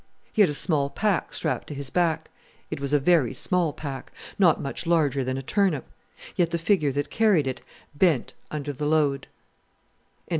He had a small pack strapped to his back; it was a very small pack not much larger than a turnip; yet the figure that carried it bent under the load.